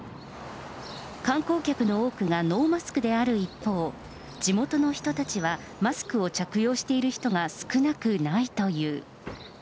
観光客の多くがノーマスクである一方、地元の人たちはマスクを着用している人が少なくないという。